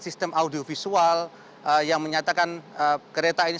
sistem audiovisual yang menyatakan kereta ini